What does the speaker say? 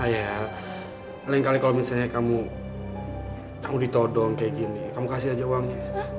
ayah lain kali kalau misalnya kamu ditodong kayak gini kamu kasih aja uangnya